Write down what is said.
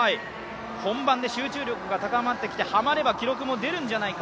本番で集中力が高まってきて、はまれば記録が出るんじゃないか。